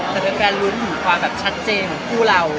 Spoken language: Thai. แต่แม้แกรุ้นถึงความแบบชัดเจนของผู้เรา